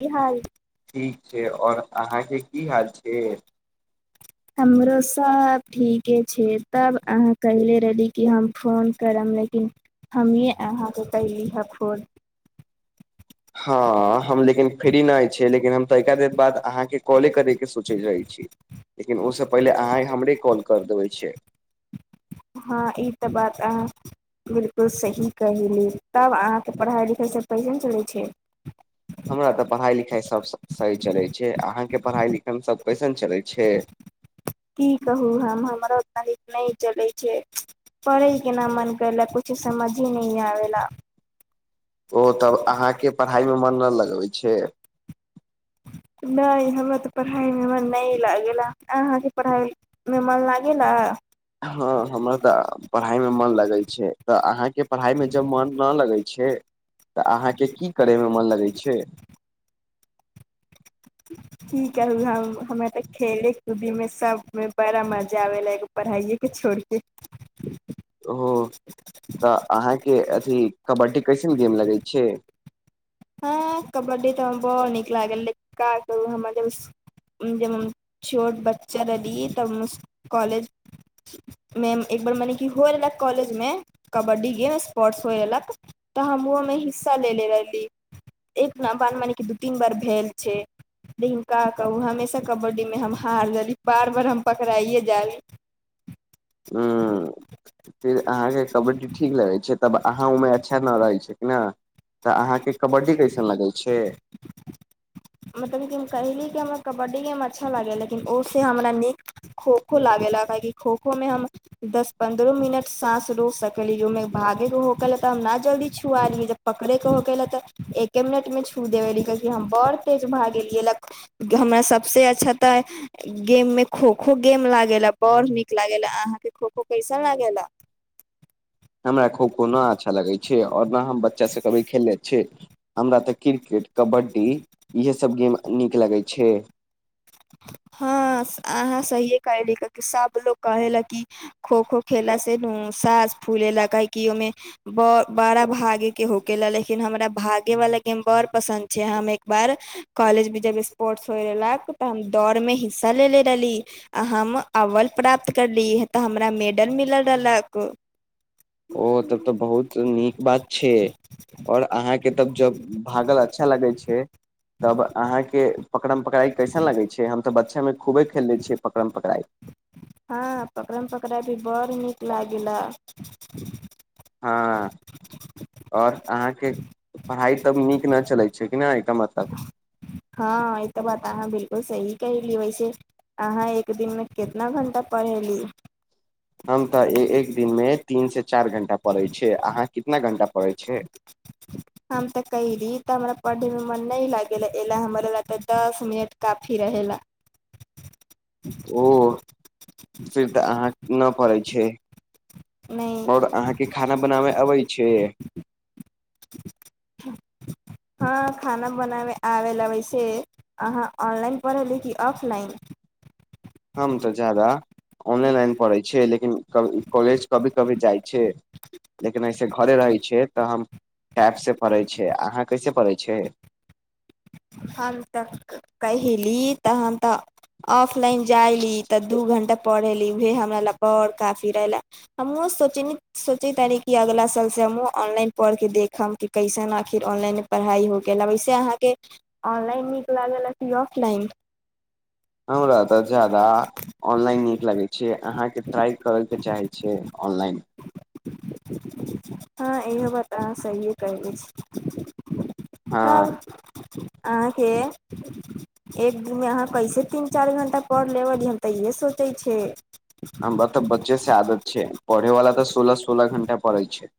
की हाल छै और ठीक अहाँके की बा हाल छै हमरो सब ठीके छै तब अहाँ कहिले रहली कि हम फोन करब लेकिन हम ये अहाँके कैली ह खोल हँ हम लेकिन फ्री नहि छियै लेकिन हम त एका देर बाद अहाँके कॉले करैके सोचैत रहै छी लेकिन ओहिसँ पहिले अहाँ हमरे कॉल करि देबै छै हँ ई तऽ बात अहाँ बिलकुल सही कहली तब अहाँके पढ़ाइ लिखाइ सब कैसन चलै छै हमरा तऽ पढ़ाइ लिखाइ सभ सही चलै छै अहाँके पढ़ाइ लिखाइम सभ कैसन चलै छै की कहू ह तफ न चलै छै पढ़य केना मोन कयेलक किछो समझे नहि आब ला ओ तब अहाँके पढ़ाइमे मन नहि लगबै छै नहि हमरा तऽ पढ़ाइ मे मन नहि लागेला अहाँके पढ़ाइ मे मन लागेला ना हँ हमरा तऽ पढ़ाई मे मन लगै छै तऽ अहाँके पढ़ाई मे जब मन नहि लगै छै छै त अहाँके की करैय मे मन लगै छै ठीक ह हमे तऽ खेलेले खुदी मे सबमे बड़ा मजा आबा एगो पढ़ाइए के छोड़ि के ओ तऽ अहाँके अथी कबड्डी कैसन गेम लगै छै हँ कबड्डी तऽ हम ब नीक लागैले का करू हमर जब स जब छोट बच्चा रहली तब कॉलेज मे एक मने की होए रहलक कॉलेज में कबड्डी गेम स्पोर्टस होए रहलक त हमं में हिस्सा ले ले रहली एक बान मान के दू तीन बार भेल छै लिनका कहू हमेशा कबड्डीमे हम हारि जाली बार बार हम पकड़ाइए जाली [inaudible] हँ फेर अहाँके कबड्डी ठीक लगै छै तब अहाँ ओहि अच्छा नहि रहै छै कि नहि तऽ अहाँके कबड्डी कैसन लगै छै [inaudible] मतलब की हम कहहिली क हमरा कबड्डी गेम मे अच्छा लागे लेकिन ओ से हमरा नीक खोखो लागल ल कि खोखो मे हम दस पन्द्रह मिनट सााँस रोकक सकली जोमे भागे हो गेल त हम न जल्दी छुआलै जब पकड़े के हो गेलले तऽ एके मिनट में छू देबे लि बड़ तेज भगेली ल सब से अच्छा गेम में खो खो गेम लागेेला बड़ नीक लागेेला अहाँ के खोखो कैसन लागे ला हमरा खो खो न अच्छा लगै छै आओर न हम बच्चा से कभी खेलले छै हमरा तऽ क्रिकेट कबड्डी इहे सभ गेम नीक लगै छै हँ अहाँ सहि कहली क सब लोग कहे ला कि खो खो खेला से न सास फू फूले ला काहे कि ओमे बर बड़ा भागे के होके ल लेकिन हमरा भागे वाला गेम बड़ पसन्द छै हम एक बार कॉलेज भी जब स्पोर्ट्स होय रहलक तऽ हम दौड़ मे हिस्सा लेलेे रहली आ हम अवल प्राप्त करली ह तऽ हमरा मेडल मिलल रहलक ओ तब तऽ बहुत नीक बात छै और अहाँके तब जब भागल अच्छा लगे छै तब अहाँके पकड़म पकराइ कैसन लगैत छै हम तऽ बच्चे मे खूबे खेलै छियै पकड़म पकड़ाइ हँ पकड़यमे पकड़य भी बड़ नीक लागेला हँ ओर अहाँके पढ़ाई तब नीक न चलै छै कि न एकर मतलब हँ ई त बात आहा बिल्कूल सही कहली वैसे अहाँ एक दिन मे कितना घं्टा पढ़ेली हम तऽ एक एक दिनमे तीन से चार घण्टा पड़ैत छै अहाँ कितना घं्टा पड़ैत छै हम त कयली त पढ़यमे मन नैह लगैला हमर ल तऽ दस मिनट काफी रहेला ओ [inaudible] फिर तऽ अहाँ न पड़ै छै नहि ओर अहाँके खाना बनाबे आबै छै [inaudible] हँ खाना बनाबै आबै ल वैसे अहाँ ऑनलाइन पढ़ै ली कि ऑफलाइन हम तऽ जादा ऑनेलाइन पढ़ै छै लेकिन क कॉलेज कभी कभी जाइ छै लेकिन ऐसे घरे रहै छियै तऽ हम ैप से पड़े छ अहाँ कैसे पड़ै छी हम तक कहिली तऽ हम तऽ ऑफलाइन जाइली तऽ दू घण पढ़ए ली उहे हमरा ल बर काफी रहेला हम सोचैत कि अगला साल हमहुँ ऑनलाइन पढ़ के देखब कि कैसन आखिर ऑनलाइन पढाई हो गेल वेसे अहाँ के ऑनलाइन निक लागेला कि ऑफलाइन हमरा तऽ जादा ऑनलाइन नीक लगैत छै अहाँके ट्राइ करयके चाहैत छै ऑनलाइन हँ इहो बात अहाँ सहिए कहै छी हँ तब अहाँके एक दिनमे अहाँ कैसे तीन चार घण्टा पढ़ि लेब हम तऽ इेहे सोचैत छै हमरा तऽ बच्चे से आदत छै पढ़ैवाला तऽ सोलह सोलह घं्टा पढ़े छै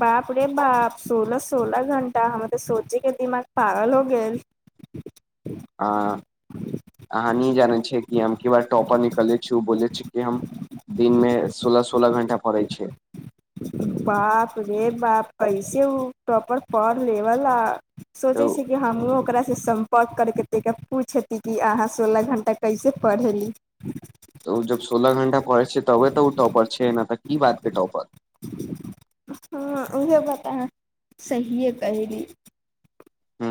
बाप रे बाप सोलह सोलह घं्टा हमर तऽ सोचे के दिमाग पागल हो गेल हँ अहाँ न जानै छियै कि हम के बार टॉपर निकलै छी बोले छी कि हम दिनमे सोलह सोलह घण्टा पढे छै बाप रे बाप कैसे उ टॉपर पढ़ लेवल आ सोचै तऽ छी कि हमहुँ ओकरासँ सम्पर्क करके पूछती कि अहाँ सोलह घण्टा कैसे पढ़ेली तऽ ओ जब सोलह घण्टा पढ़ै छै तबे तऽ ओ टॉपर छै नहि तऽ की बातके टॉपर हँ उहे बात आहा सहिए कहयली ह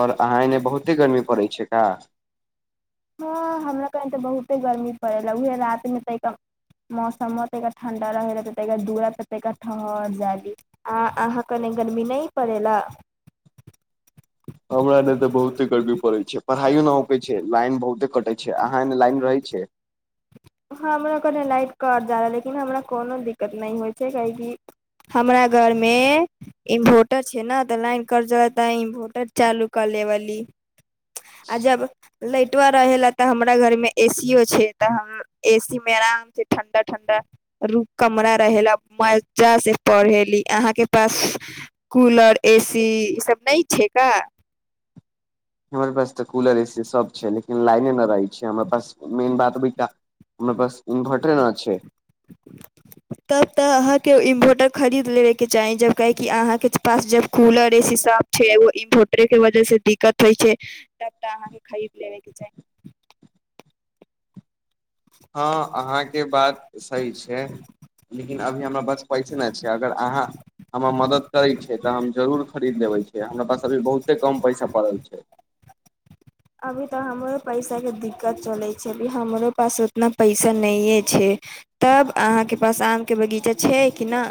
ओर अहाँ एन्ने बहुते गर्मी पड़ैत छै का हँ हमरा कनि तऽ बहुते गर्मी पड़े ल उहे रात मे त मौसम अोते के ठंडा रहे ला तता दूरा ततका ठहर जायी आ अहा क ने गर्मी न पड़ेेला [inaudible] हमरा ने तऽ बहुते गर्बी पड़ै छै पढ़ाइो न होैबे छै लाइन बहुते कटै छै अहाँ एने लाइन रहै छै हमरा लाइट कट जा रह लेकिन हमरा कोनो दिक्कत नहि होइ छै काहेकि हमरा घर में इन्भोटर छै न तऽ लाइन कट ज त इन्भोटर चालू [inaudible] आ जब रहे ला तऽ हमरा घर मे एसीयो छै तऽ एसी मे आराम छै ठंडा ठंडा रू कमरा रहेला मजा से पढ़ेली अहाँ के पास कूलर एसी ई सब नहि छै का हमर पास तऽ कूलर एसी सब छै लेकिन लाइने नहि रहै छै हमरा पास मेन बात हमरा पास इन्भटर न छैय तब तऽ अहाँके इन्वर्टर खरीद लेबे के चाही जब काहे कि अहाँके पास जब कूलर एसी सब छै एगो इन्वर्टरे के वजह से दिक्कत होइ छै तब तऽ अहाँके खरीद लेबे के चाही [inaudible] हँ अहाँके बात सही छै लेकिन अभी हमरा पास पैसे नहि छै अगर अहाँ हमरा मदद करैत छै तऽ हम जरूर खरीद लबै छिय हमरा पास अभी बहुते कम पैसा पड़ल छै अभी तऽ हमरो पैसा के दिक्कत चले छै अभी हमरो पास उतना पैसा नैये छै तब अहाँके पास आम के बगीचा छै कि न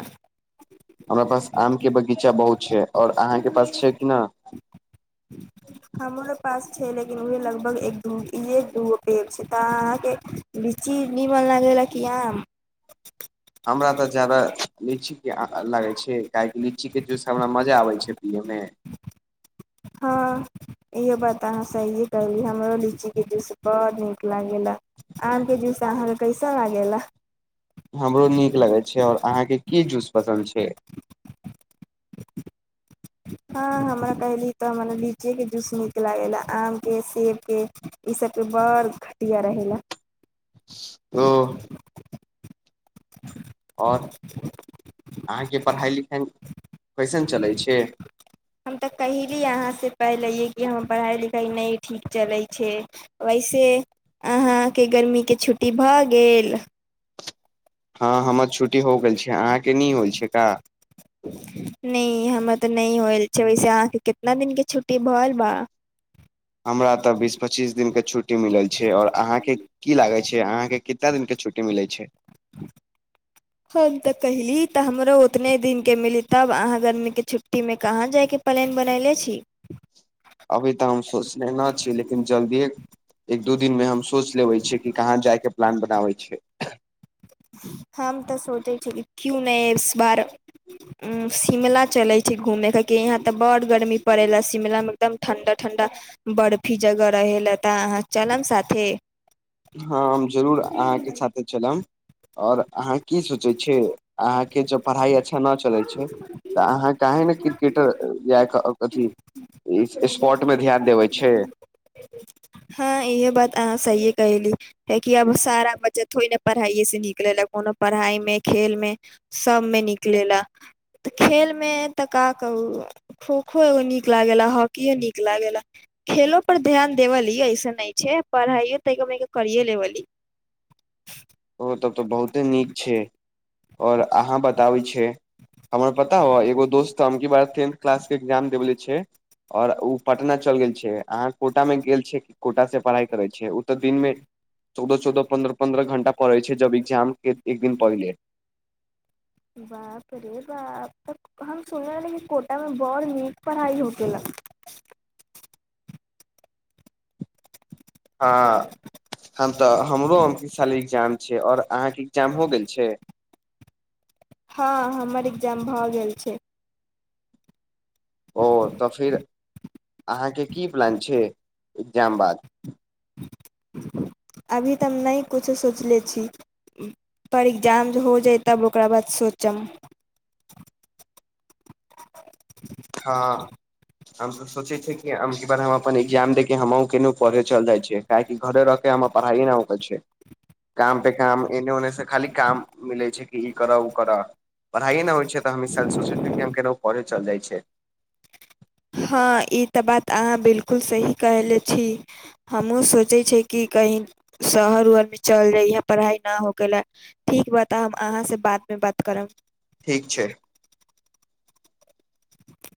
हमरा पास आम के बगीचा बहुत छै आओर अहाँके पास छै कि न हमरो पास छै लेकिन उहे लगभग एक द दूगो पेड़ छै तऽ अहाँके चीज निमन लागेला कि आम हमरा तऽ जायदा लीचीके लागै छै काहेकि लीचीके जूस हमरा मजा आबै छै पियैमे [inaudible] हँ इहो बात अहाँ सहिए कहली हमरो लीची के जूस बड़ नीक लागे आम के जूस अहाँके कैसन लागेला हमरो नीक लगै छै आओर अहाँके की जूस पसन्द छै [inaudible] ह हमरा कहली तऽ माने लीची के जूस निक लागेले आम के सेब के इ सब के बड़ घटिया रहै लए ओ और अहाँ के पढ़ाई लिखाई कैसन चलै छै हम तऽ कहेली अहाँ से पहिले कि हम पढ़ाइ लिखाइ नहि ठीक चलै छै वैसे अहाँके गर्मीके छुट्टी भऽ गेल हँ हमर छुट्टी हो गेल छै अहाँके नैय होय छै का त नहि हौल छै वैसे अहाँके कितना दिन के छुट्टी भैल बा हमरा तऽ बीस पच्चीस दिन के छुट्टी मिलल छै और अहाँ के की लागे छै अहाँ के कितना दिन के छुट्टी मिलै छै हम तऽ कहैली तऽ हमरो उतने दिनके मिली तब अहाँ गर्मीके छुट्टीमे कहाँ जायके प्लैन बनैले छी अभी तऽ हम सोचने न छी लेकिन जल्दिए एक दू दिन मे हम सोच लेबे छियै कि कहाँ जाय के प्लान बनाबे [inaudible] हम तऽ सोचै छलिए क्यू नहि इस बार उ शिमला चलै छै घूमै कि यहाँ तऽ बड़ गर्मी पड़े ल शिमला मे एकदम ठंडा ठंडा बर्फी जगह रहै ले तऽ अहाँ चलम साथे हँ हम जरूर अहाँके साथे चलब आओर अहाँ की सोचै छियै अहाँके जब पढ़ाइ अच्छा नहि चलै छै तऽ अहाँ कहे न क्रिकेटर या अथी इ स्पोर्टमे ध्यान देबै छी हँ इहे बात आ कहली है कि अब सारा बच्चा थोड़ ने पढ़ाइए से न नै नै कोनो पढ़ाइ मे खेल मे सबमे निकलेला तऽ खेलमे तऽ का कहू खोखो नीक लागेला हॉकिओ नीक लागेला खेलो पर ध्यान देवली ऐसन नई छै पढ़ाइयओ तनिका मनिका करिए लेवली [inaudible] ओ तब तऽ बहुते नीक छे आओर अहाँ बताबै छे हमर पता हो एगो दोस्त अमकि बार टेंथ क्लास के एग्जाम देबेले छे और ओ पटना चलि गेल छे अहाँ कोटामे गेल छियै कोटासँ पढ़ाइ करै छियै ओ तऽ दिनमे चौदह चौदह पन्द्रह पन्द्रह घंटा पढ़ै छै जब एक्जाम एक दिन पहिले बाप रे बाप तऽ हम सुनलेरहि कि कोटा में बर नीक पढ़ाई होखेला [inaudible] हँ हम तऽ हमरो अमकेसाल एग्जाम छै आओर अहाँके एग्जाम हो गेल छै हँ हमर एग्जाम भऽ गेल छै ओ तऽ फिर अहाँके की प्लान छै इक्जाम बाद अभी तऽ हम नई कुछो सोचले छी पर एग्जाम जे हो जाई तब ओकरा बाद सोचम हँ हम त सोचै छियै कि अमकिबार हम अपन एग्जाम दे के हमहुँ केनहु पढ़े चलि जाइ छियै काहेकि घरे र मे हमर पढ़ाईए न हो पाई छै काम पे काम एने ओने से खाली काम मिलै छै कि ई करऽ ओ करऽ पढ़ाइए नई होइ छै तऽ हम ईसाल सोचैत छियै कि हम केनहु पढ़य चलि जाइत छै हँ ई तऽ बात अहाँ बिलकुल सही कहले छी हमहुं सोचै छी कि कहीं शहर उहर मे चल जइह पढ़ाई ना होखेला ठीक बता हम अहाँ से बाद मे बात करब ठीक छै